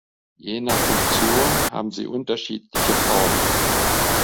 Je nach Funktion haben sie unterschiedliche Formen.